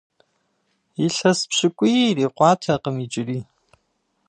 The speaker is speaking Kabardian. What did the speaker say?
Илъэс пщыкӏуий ирикъуатэкъым иджыри.